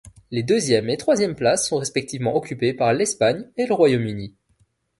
Les deuxième et troisième places sont respectivement occupées par l'Espagne et le Royaume-Uni.